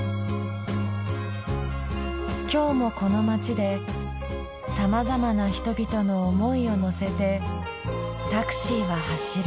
今日もこの街でさまざまな人々の思いを乗せてタクシーは走る。